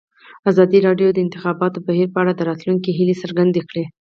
ازادي راډیو د د انتخاباتو بهیر په اړه د راتلونکي هیلې څرګندې کړې.